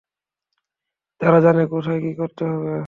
তারা জানে কোথায় কি করতে হবে।